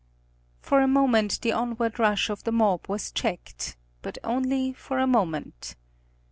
For a moment the onward rush of the mob was checked, but only for a moment.